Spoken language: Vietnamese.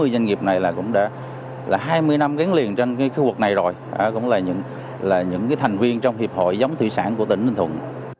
bốn mươi doanh nghiệp này cũng đã là hai mươi năm gắn liền trong cái khu vực này rồi cũng là những thành viên trong hiệp hội giống thủy sản của tỉnh bình thuận